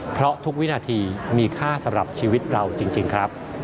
เพราะทุกวินาทีมีค่าสำหรับชีวิตเราจริงครับ